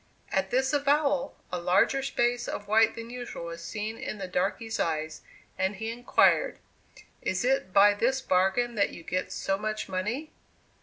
At this avowal, a larger space of white than usual was seen in the darkey's eyes, and he inquired, "Is it by this bargain that you get so much money?"